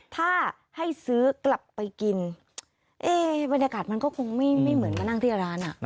ถ้าให้ซื้อกลับไปกินเอ๊บรรยากาศมันก็คงไม่เหมือนมานั่งที่ร้านอ่ะ